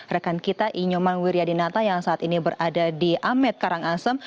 rekan kita inyoman wiryadinata yang saat ini berada di amet karangasem